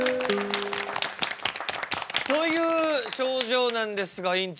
という症状なんですが院長。